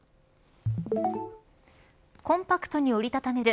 コンパクトに折り畳める